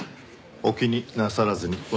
お気になさらずに。